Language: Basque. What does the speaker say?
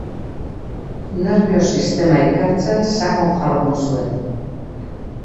Nerbio-sistema ikertzen sakon jardun zuen.